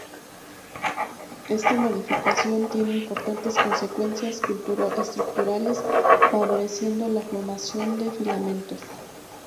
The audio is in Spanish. Esta modificación tiene importantes consecuencias estructurales, favoreciendo la formación de filamentos.